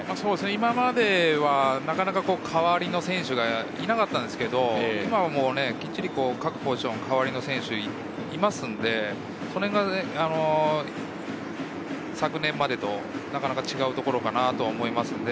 今までは、なかなか代わりの選手がいなかったんですけれど、今は各ポジション代わりの選手がいますので、この辺が昨年までと違うところかなと思います。